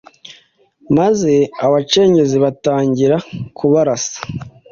maze abacengezi batangira kubarasa.